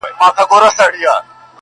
بیا خِلوت دی او بیا زه یم بیا ماښام دی.